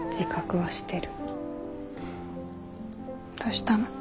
どしたの？